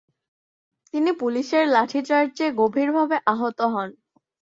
তিনি পুলিশের লাঠিচার্জে গভীর ভাবে আহত হন।